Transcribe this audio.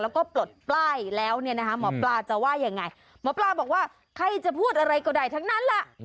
แล้วก็ปลดป้ายแล้วเนี่ยนะคะหมอปลาจะว่ายังไงหมอปลาบอกว่าใครจะพูดอะไรก็ได้ทั้งนั้นแหละ